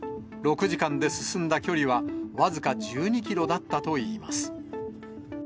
６時間で進んだ距離は、僅か１２キロだったといいます。